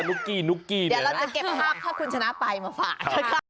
ุ๊กกี้นุ๊กกี้เดี๋ยวเราจะเก็บภาพถ้าคุณชนะไปมาฝาก